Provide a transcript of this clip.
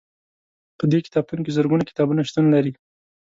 په دې کتابتون کې زرګونه کتابونه شتون لري.